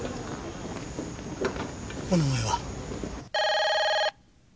お名前は？